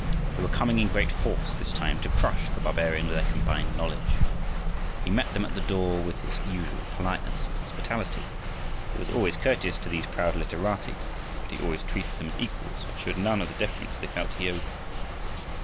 They were coming in great force this time, to crush the barbarian with their combined knowledge. He met them at the door with his usual politeness and hospitality. He was always courteous to these proud literati, but he always treated them as equals, and showed none of the deference they felt he owed them.